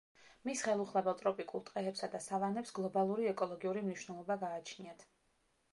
მის ხელუხლებელ ტროპიკულ ტყეებსა და სავანებს გლობალური ეკოლოგიური მნიშვნელობა გააჩნიათ.